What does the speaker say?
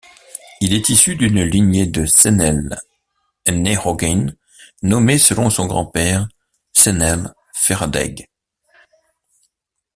Il est issu d'une lignée du Cenél nEógain nommé selon son grand-père Cenél Feradaig.